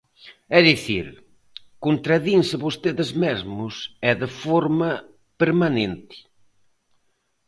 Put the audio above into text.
É dicir, contradinse vostedes mesmos e de forma permanente.